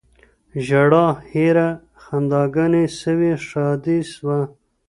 ژړا هېره خنداګاني سوی ښادي سوه